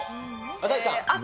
朝日さん。